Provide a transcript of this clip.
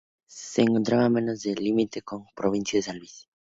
Se encontraba a metros del límite con la provincia de San Luis.